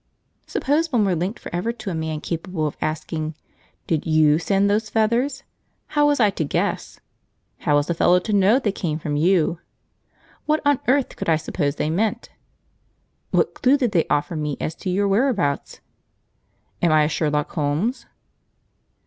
Suppose one were linked for ever to a man capable of asking, "Did you send those feathers? ... How was I to guess? ... How was a fellow to know they came from you? ... What on earth could I suppose they meant? ... What clue did they offer me as to your whereabouts? ... Am I a Sherlock Holmes?"